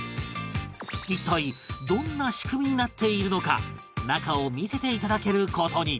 一体どんな仕組みになっているのか中を見せて頂ける事に